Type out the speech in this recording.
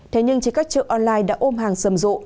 thế nhưng trên các chợ online đã ôm hàng rầm rộ